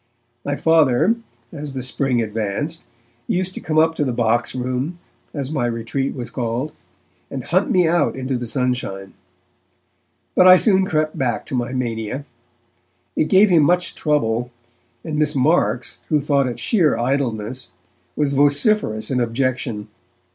My Father, as the spring advanced, used to come up to the Boxroom, as my retreat was called, and hunt me out into the sunshine. But I soon crept back to my mania. It gave him much trouble, and Miss Marks, who thought it sheer idleness, was vociferous in objection.